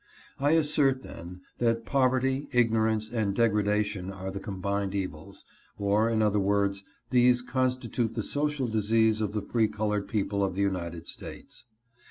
... I assert, then, that poverty, ignorance, and degradation are the combined evils ; or in other words, these constitute the social disease of the free colored people of the United States.